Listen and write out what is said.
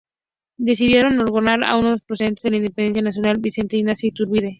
Decidieron honrar a uno de los próceres de la independencia nacional, Vicente Ignacio Iturbe.